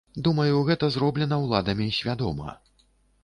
Думаю, гэта зроблена ўладамі свядома.